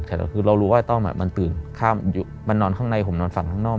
แต่คือเรารู้ว่าไอต้อมมันตื่นข้ามมันนอนข้างในผมนอนฝั่งข้างนอก